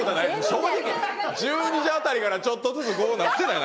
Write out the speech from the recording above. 正直１２時あたりからちょっとずつこうなってない？